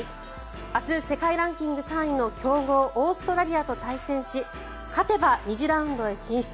明日、世界ランキング３位の強豪オーストラリアと対戦し勝てば２次ラウンドへ進出。